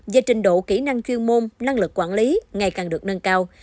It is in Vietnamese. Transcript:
và trình độ kỹ năng chuyên môn năng lực quản lý ngày càng được nâng cao